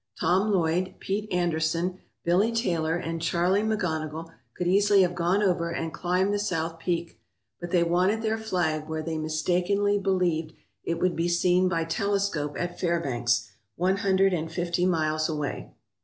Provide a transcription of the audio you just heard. Tom Lloyd, Pete Anderson, Billy Taylor, and Charlie Mc Gonogill could easily have gone over and climbed the south peak, but they wanted their flag where they mis takenly believed it would be seen by telescope at Fair banks, one hundred and fifty miles away.